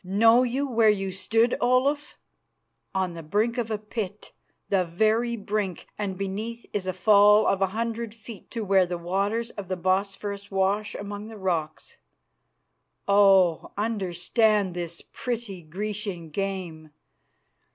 Know you where you stood, Olaf? On the brink of a pit, the very brink, and beneath is a fall of a hundred feet to where the waters of the Bosphorus wash among the rocks. Oh! understand this pretty Grecian game.